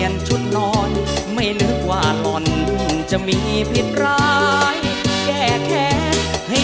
ขอโชคดีค่ะ